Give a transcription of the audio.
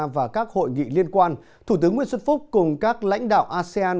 và các hội nghị liên quan thủ tướng nguyễn xuân phúc cùng các lãnh đạo asean